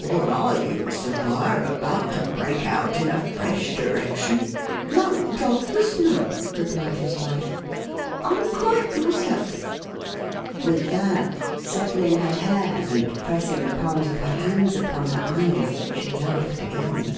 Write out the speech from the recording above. Or are you, Sophia, about to break out in a fresh direction ?"" No, 'Dolphus, no," replied his wife. " I'm quite myself." With that, settling her hair, and pressing the palms of her hands upon her eyes, she laughed again.